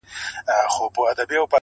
څنګ ته د میخورو به د بنګ خبري نه کوو!!